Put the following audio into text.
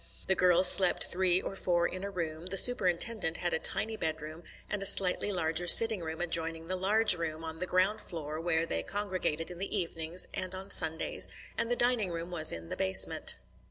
The girls slept three or four in a room; the Superintendent had a tiny bedroom, and a slightly larger sitting room adjoining the large room on the ground floor where they congregated in the evenings and on Sundays, and the dining room was in the basement.